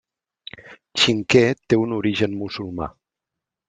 Xinquer té un origen musulmà.